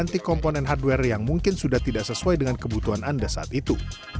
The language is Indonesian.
anti komponen hardware yang mungkin sudah tidak sesuai dengan kebutuhan anda saat itu